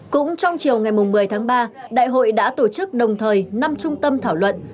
cũng trong chiều ngày một mươi tháng ba đại hội đã tổ chức đồng thời năm trung tâm thảo luận